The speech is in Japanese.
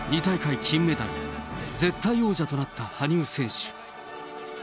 ２大会金メダル、絶対王者となった羽生選手。